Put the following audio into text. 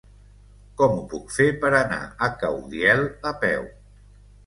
Com ho puc fer per anar a Caudiel a peu?